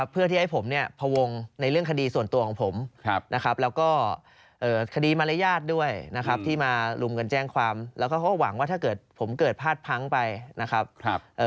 เพื่อที่ให้ผมเนี่ยพวงในเรื่องคดีส่วนตัวของผมนะครับแล้วก็คดีมารยาทด้วยนะครับที่มาลุมกันแจ้งความแล้วก็เขาก็หวังว่าถ้าเกิดผมเกิดพลาดพังไปนะครับ